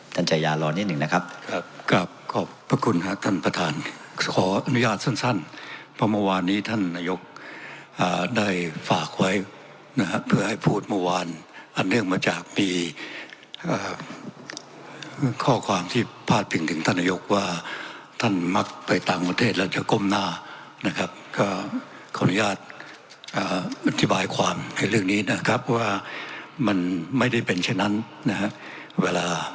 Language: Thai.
ท่านจัยารอนิดหนึ่งนะครับครับครับขอบรับขอบรับขอบรับขอบรับขอบรับขอบรับขอบรับขอบรับขอบรับขอบรับขอบรับขอบรับขอบรับขอบรับขอบรับขอบรับขอบรับขอบรับขอบรับขอบรับขอบรับขอบรับขอบรับขอบรั